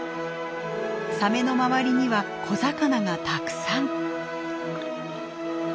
サメの周りには小魚がたくさん。